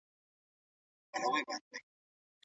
ولي د عدم تشدد مبارزه اغیزناکه ده؟